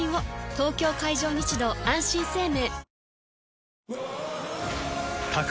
東京海上日動あんしん生命